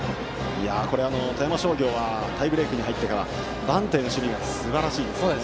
富山商業はタイブレークに入ってからバントへの守備がすばらしいですね。